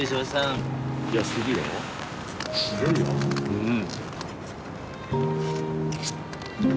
うん。